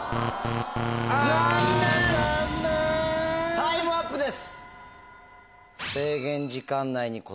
タイムアップです。